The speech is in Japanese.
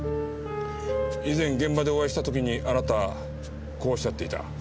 以前現場でお会いした時にあなたこう仰っていた。